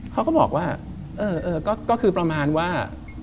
เขาก็บอกว่าก็คือประมาณว่า